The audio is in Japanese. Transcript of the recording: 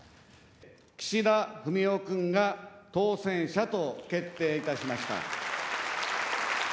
岸田文雄君が当選者と決定いたしました。